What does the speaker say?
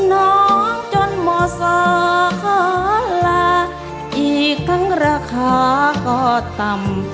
น้องจนหมอสาขาลาอีกทั้งราคาก็ต่ำ